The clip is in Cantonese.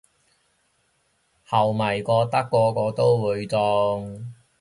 後咪覺得個個都會中